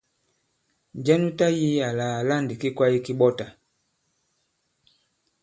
Njɛ nu tayī àlà àla ndì ki kwāye ki ɓɔtà?